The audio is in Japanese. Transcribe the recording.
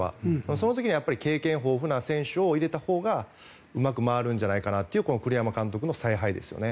その時に経験豊富な選手を入れたほうがうまく回るんじゃないかなという栗山監督の采配ですね。